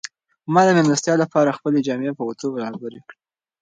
ما د مېلمستیا لپاره خپلې جامې په اوتو برابرې کړې.